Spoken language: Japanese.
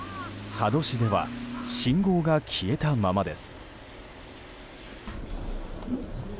佐渡市では信号が消えたままです。